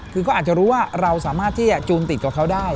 ก็อาจรู้ว่าเราสามารถที่จูนติดเขาได้